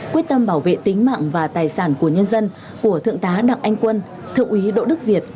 quyết tâm bảo vệ tính mạng và tài sản của nhân dân của thượng tá đặng anh quân thượng úy đỗ đức việt